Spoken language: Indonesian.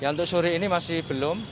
untuk sore ini masih belum